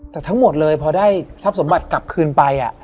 แต่ทั้งหมดเลยพอได้ทรัพย์สมบัติกลับคืนไป